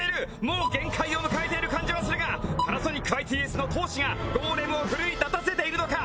もう限界を迎えている感じはするがＰａｎａｓｏｎｉｃＩＴＳの闘志がゴーレムを奮い立たせているのか！？